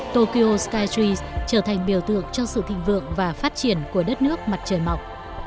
tokyo skytries trở thành biểu tượng cho sự thịnh vượng và phát triển của đất nước mặt trời mọc